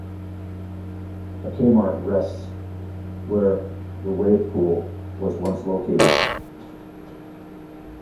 A Kmart rests where the wave pool was once located.